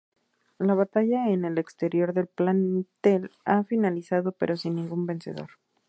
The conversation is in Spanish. La batalla en el exterior del plantel ha finalizado pero sin ningún vencedor.